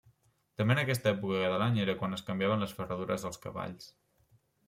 També en aquesta època de l'any era quan es canviaven les ferradures als cavalls.